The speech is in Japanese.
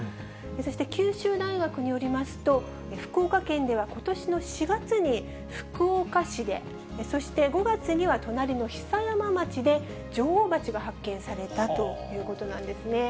そして九州大学によりますと、福岡県ではことしの４月に福岡市で、そして５月には隣の久山町で女王蜂が発見されたということなんですね。